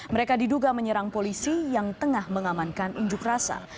mereka diduga menyerang polisi yang tengah mengamankan unjuk rasa